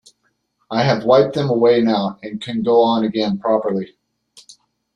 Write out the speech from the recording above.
I have wiped them away now and can go on again properly.